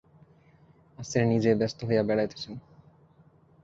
আজ তিনি নিজেই ব্যস্ত হইয়া বেড়াইতেছেন।